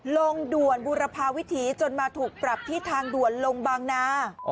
ลงด่วนบุรพาวิถีจนมาถูกปรับที่ทางด่วนลงบางนา